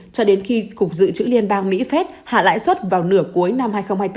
cho đến khi cục dự trữ liên bang mỹ phép hạ lãi suất vào nửa cuối năm hai nghìn hai mươi bốn